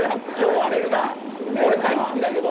俺大好きだけど。